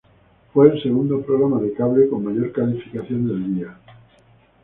Fue el segundo programa de cable con mayor calificación del día.